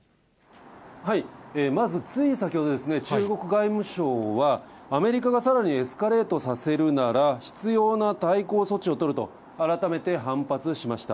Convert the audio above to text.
まず、つい先ほど、中国外務省は、アメリカがさらにエスカレートさせるなら、必要な対抗措置を取ると、改めて反発しました。